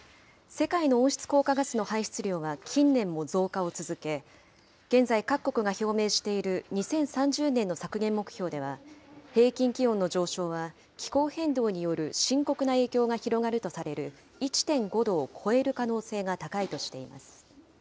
世界の温室効果ガスの排出量は近年も増加を続け、現在、各国が表明している２０３０年の削減目標では、平均気温の上昇は気候変動による深刻な影響が広がるとされる１．５度を超える可能性が高いとしています。